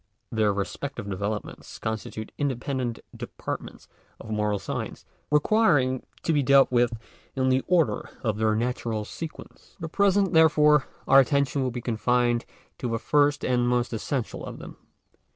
Their respective developments constitute independent departments of moral science, requiring to be dealt with in the order of their natural sequence. For the present, therefore, our attention will be confined to the first and most essential of them.